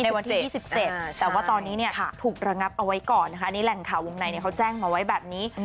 แต่ว่าตอนนี้ถูกระงับเอาไว้ก่อนอันนี้แหล่งข่าววงในเขาแจ้งมาไว้แบบนี้